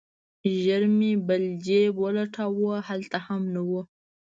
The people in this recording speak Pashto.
ژر مې بل جيب ولټاوه هلته هم نه و.